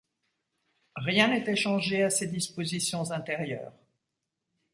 Rien n’était changé à ses dispositions intérieures.